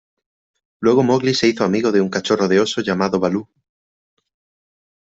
Luego Mowgli se hizo amigo de un cachorro de oso llamado Baloo.